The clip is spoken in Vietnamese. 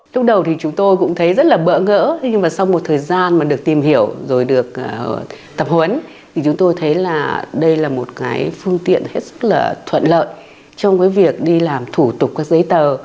lúc đầu thì chúng tôi cũng thấy rất là bỡ ngỡ nhưng mà sau một thời gian mà được tìm hiểu rồi được tập huấn thì chúng tôi thấy là đây là một cái phương tiện hết sức là thuận lợi trong cái việc đi làm thủ tục các giấy tờ